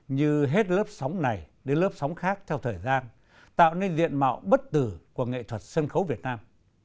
như hết lớp sóng này đến lớp sóng khác theo thời gian tạo nên diện mạo bất tử của nghệ thuật sân khấu việt nam